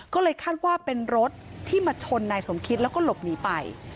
ก็เลยคาดว่าเป็นรถที่มาชนนายสมคิดแล้วก็หลบหนีไป